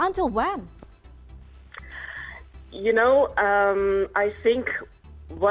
untuk menemukan kaki anda